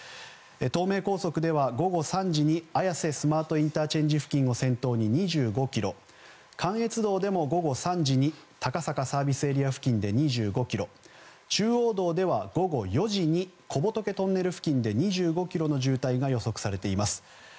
東名高速では午後３時に綾瀬スマートＩＣ付近を先頭に２５ｋｍ関越道でも午後３時に高坂ＳＡ付近で２５ｋｍ中央道では、午後４時に小仏トンネル付近で２５ｋｍの渋滞が予測されています。